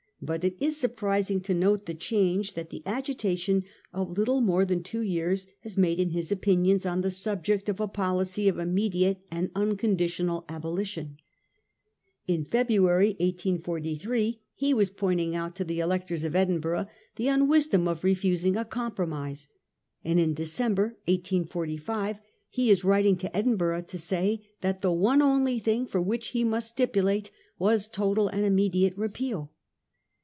But it is surprising to note the change that the agitation of little more than two years has made in his opinions on the subject of a policy of immediate and unconditional abolition. 1845. RUSSELL'S FAILURE. 375 In February 1843 be was pointing out to the elec tors of Edinburgh tbe unwisdom of refusing a com promise, and in December 1845 be is writing to Edinburgh to say that tbe one only thing for which he must stipulate was total and Immediate repeal.